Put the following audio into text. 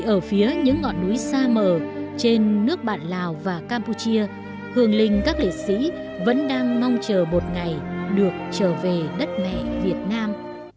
ở núi sa mờ trên nước bản lào và campuchia hương linh các liệt sĩ vẫn đang mong chờ một ngày được trở về đất mẹ việt nam